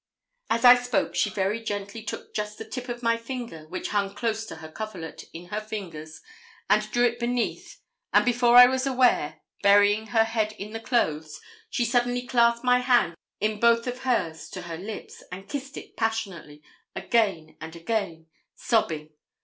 As I spoke, she very gently took just the tip of my finger, which hung close to her coverlet, in her fingers, and drew it beneath, and before I was aware, burying her head in the clothes, she suddenly clasped my hand in both hers to her lips, and kissed it passionately, again and again, sobbing.